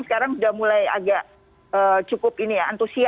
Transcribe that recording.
sekarang sudah mulai agak cukup ini ya antusias